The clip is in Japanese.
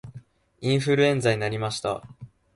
インフルエンザになりました